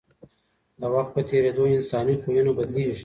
د وخت په تېرېدو انساني خویونه بدلېږي.